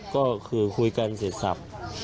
ก็คือคุยกันเสียทรัพย์